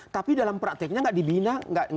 tapi dalam prakteknya nggak dibina